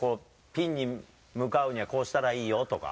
ピンに向かうにはこうしたらいいよとか。